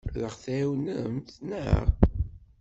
Ad aɣ-tɛawnemt, naɣ?